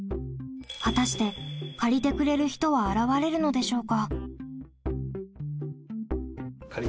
果たして借りてくれる人は現れるのでしょうか？